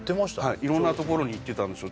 はい色んなところに行ってたんですよ